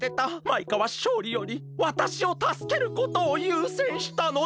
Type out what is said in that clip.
マイカはしょうりよりわたしをたすけることをゆうせんしたの。